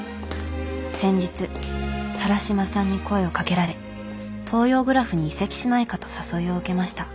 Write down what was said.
先日田良島さんに声をかけられ東洋グラフに移籍しないかと誘いを受けました」。